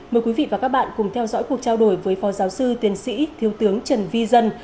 mời quý vị và các bạn cùng theo dõi cuộc trao đổi với phó giáo sư tiến sĩ thiếu tướng trần vi dân